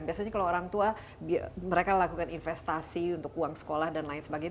biasanya kalau orang tua mereka lakukan investasi untuk uang sekolah dan lain sebagainya